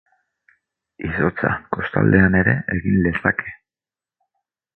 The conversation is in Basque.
Izotza, kostaldean ere, egin lezake.